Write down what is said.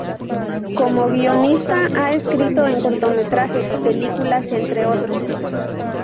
Como guionista ha escrito en cortometrajes, películas, entre otros.